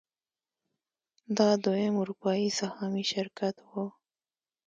دا دویم اروپايي سهامي شرکت و.